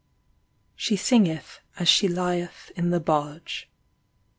She singeth as she lieth in the barge.